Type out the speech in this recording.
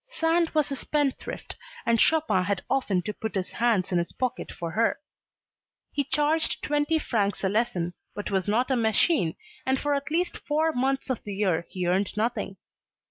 Sand was a spendthrift and Chopin had often to put his hands in his pocket for her. He charged twenty francs a lesson, but was not a machine and for at least four months of the year he earned nothing.